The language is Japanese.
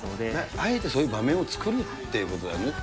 あえてそういう場面を作るということだよね。